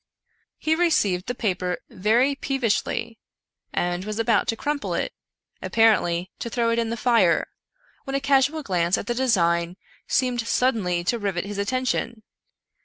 He received the paper very peevishly, and was about to crumple it, apparently to throw it in the fire, when a casual glance at the design seemed suddenly to rivet his attention.